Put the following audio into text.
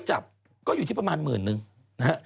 จากกระแสของละครกรุเปสันนิวาสนะฮะ